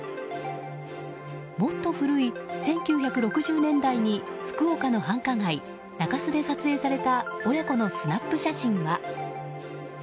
もっと古い１９６０年代に福岡の繁華街・中洲で撮影された親子のスナップ写真は。